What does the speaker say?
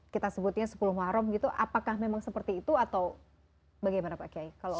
kita sebutnya sepuluh maram gitu apakah memang seperti itu atau bagaimana pak kiai